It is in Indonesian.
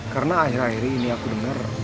karena akhir akhir ini aku denger